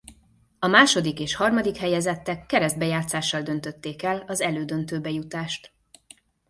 A második és harmadik helyezettek keresztbe játszással döntötték el az elődöntőbe jutást.